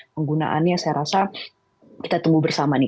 penggunaannya saya rasa kita tunggu bersama nih